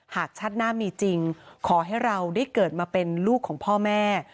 หากชาติหน้ามีจริงขอให้เราได้เกิดมาเป็นลูกของพ่อแม่